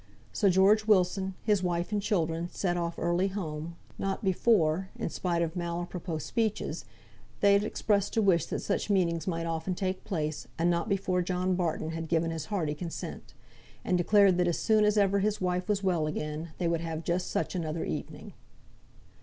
So George Wilson, his wife and children, set off early home, not before (in spite of mal à propos speeches) they had expressed a wish that such meetings might often take place, and not before John Barton had given his hearty consent; and declared that as soon as ever his wife was well again they would have just such another evening.